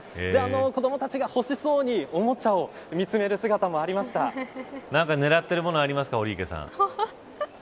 子どもたちが欲しそうにおもちゃを見つめる姿も何か狙っている物ありますか。